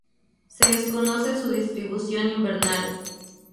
Se desconoce su distribución invernal.